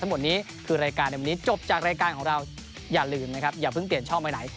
ทั้งหมดนี้คือรายการในวันนี้จบจากรายการของเราอย่าลืมนะครับอย่าเพิ่งเปลี่ยนช่องไปไหน